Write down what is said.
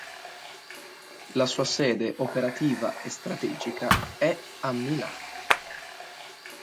La sua sede operativa e strategica è a Milano.